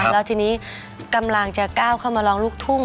แล้วทีนี้กำลังจะก้าวเข้ามาร้องลูกทุ่ง